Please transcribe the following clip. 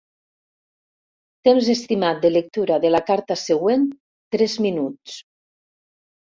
Temps estimat de lectura de la carta següent: tres minuts.